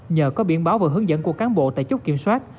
nhờ có biển báo và hướng dẫn của cán bộ tại chốt kiểm soát